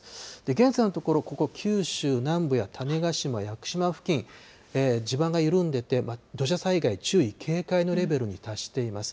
現在のところ、ここ九州南部や種子島、屋久島付近、地盤が緩んでて、土砂災害注意、警戒のレベルに達しています。